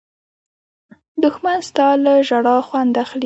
دښمن ستا له ژړا خوند اخلي